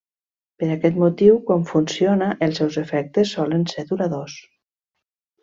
Per aquest motiu, quan funciona, els seus efectes solen ser duradors.